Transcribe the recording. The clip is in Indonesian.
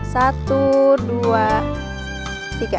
satu dua tiga